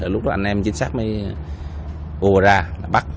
lúc đó anh em chính xác mới bù ra